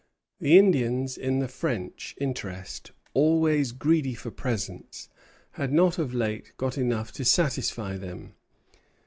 The Indians in the French interest, always greedy for presents, had not of late got enough to satisfy them.